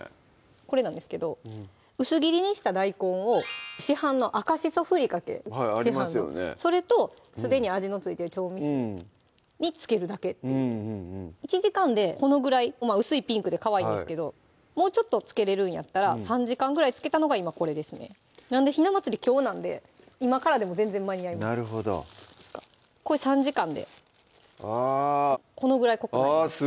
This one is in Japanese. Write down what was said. これなんですけど薄切りにした大根を市販の赤しそふりかけ市販のそれとすでに味の付いてる調味酢につけるだけっていう１時間でこのぐらい薄いピンクでかわいいですけどもうちょっとつけれるんやったら３時間ぐらいつけたのが今これですねなんでひな祭りきょうなんで今からでも全然間に合いますなるほどこれ３時間であっこのぐらい濃くなりますあぁ